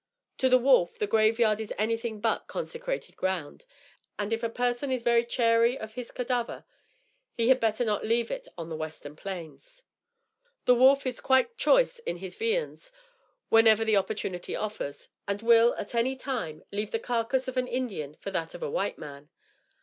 To the wolf the graveyard is anything but consecrated ground; and, if a person is very chary of his cadaver, he had better not leave it on the Western Plains. The wolf is quite choice in his viands whenever the opportunity offers, and will, at any time, leave the carcass of an Indian for that of a white man.